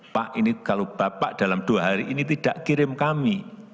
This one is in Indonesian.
pak ini kalau bapak dalam dua hari ini tidak kirim kami